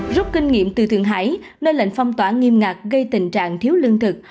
rút kinh nghiệm từ thượng hải nơi lệnh phong tỏa nghiêm ngặt gây tình trạng thiếu lương thực